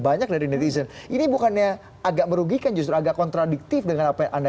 banyak dari netizen ini bukannya agak merugikan justru agak kontradiktif dengan apa yang anda